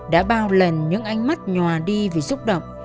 đã bao lần những ánh mắt nhòa đi vì xúc động